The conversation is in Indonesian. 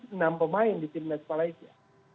enam pemain di timnas malaysia